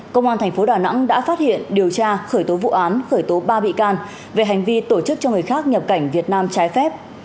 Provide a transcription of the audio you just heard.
công an thành phố đà nẵng đã phát hiện điều tra khởi tố vụ án khởi tố ba bị can về hành vi tổ chức cho người khác nhập cảnh việt nam trái phép